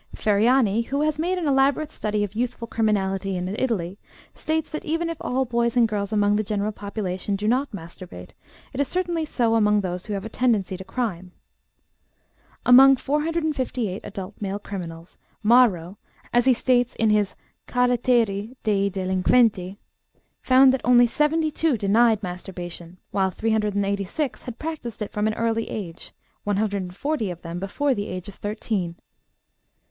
Ferriani, who has made an elaborate study of youthful criminality in Italy, states that even if all boys and girls among the general population do not masturbate, it is certainly so among those who have a tendency to crime. Among 458 adult male criminals, Marro (as he states in his Caratteri dei Delinquenti) found that only 72 denied masturbation, while 386 had practiced it from an early age, 140 of them before the age of thirteen.